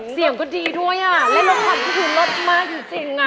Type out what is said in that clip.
เสียงก็ดีด้วยอะเล่นละครถึงละมากจริง